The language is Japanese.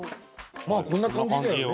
まあこんな感じだよね。